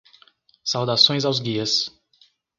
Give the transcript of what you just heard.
Saudações aos guias